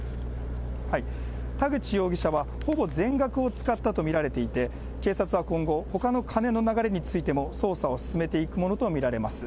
田口容疑者は、ほぼ全額を使ったと見られていて、警察は今後、ほかの金の流れについても、捜査を進めていくものと見られます。